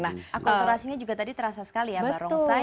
nah akunturasinya juga tadi terasa sekali ya mbak rongsai